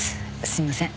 すいません。